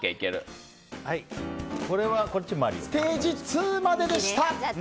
ステージ２まででした。